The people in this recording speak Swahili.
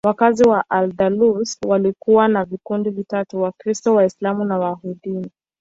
Wakazi wa Al-Andalus walikuwa wa vikundi vitatu: Wakristo, Waislamu na Wayahudi.